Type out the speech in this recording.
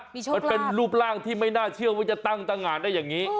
มันเป็นรูปร่างที่ไม่น่าเชื่อว่าจะตั้งตะงานได้อย่างนี้